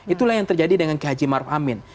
itulah yang terjadi dengan ki haji maruf amin